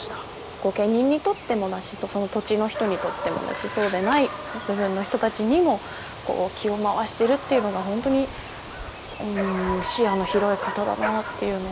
御家人にとってもだしその土地の人にとってもだしそうでない部分の人たちにも気を回してるっていうのが本当に視野の広い方だなっていうのを。